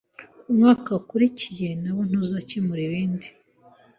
umwaka wa kurikiye nawo tuzakemura ibindi